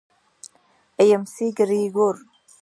اېم سي ګرېګور.